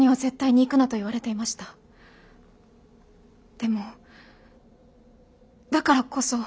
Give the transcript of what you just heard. でもだからこそ。